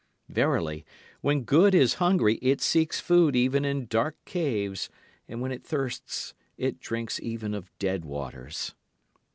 Verily when good is hungry it seeks food even in dark caves, and when it thirsts it drinks even of dead waters.